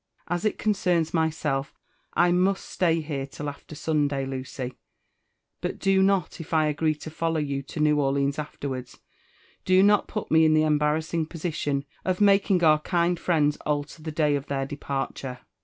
As it coneems linyself, I must stay here tiH after Sunday, Lucy ; but do not, if I agree to follow you to New Orleans afterwards nlo not put me ia the embarr assitig posi^ tion of making oar kind friends alter the day of their departure.